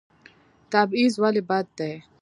تبعیض ولې بد دی؟